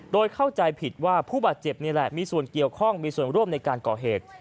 โดยเข้าใจผิดว่าผู้บาดเจ็บนี่แหละมีส่วนเกี่ยวข้องมีส่วนร่วมในการก่อเหตุ